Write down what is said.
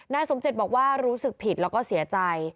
สมจิตบอกว่ารู้สึกผิดแล้วก็เสียใจ